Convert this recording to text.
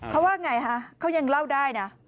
เขาว่าไงฮะเขายังเล่าได้นะ